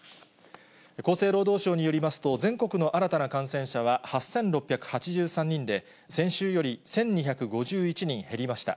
厚生労働省によりますと、全国の新たな感染者は８６８３人で、先週より１２５１人減りました。